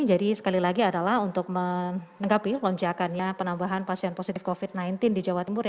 jadi sekali lagi adalah untuk menanggapi lonjakannya penambahan pasien positif covid sembilan belas di jawa timur